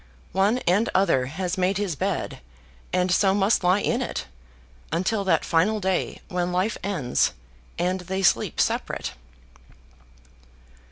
One and other has made his bed, and so must lie in it, until that final day when life ends, and they sleep separate.